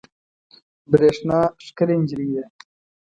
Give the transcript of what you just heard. برېښنا ښکلې انجلۍ ده